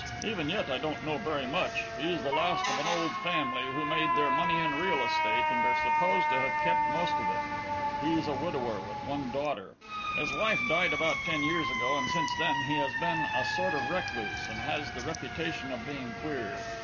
Even yet, I don't know very much. He's the last of an old family, who made their money in real estate, and are supposed to have kept most of it. He's a widower with one daughter. His wife died about ten years ago, and since then he has been a sort of recluse, and has the reputation of being queer.